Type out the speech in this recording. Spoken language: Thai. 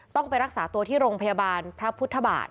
ต้องไปรักษาตัวที่โรงพยาบาลพระพุทธบาท